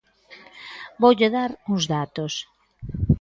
Voulle dar uns datos.